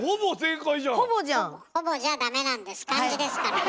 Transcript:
ほぼじゃダメなんです漢字ですからね。